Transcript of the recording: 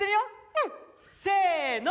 うん！せの。